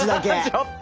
ちょっと。